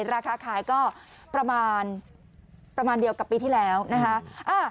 ราคาขายก็ประมาณประมาณเดียวกับปีที่แล้วนะคะ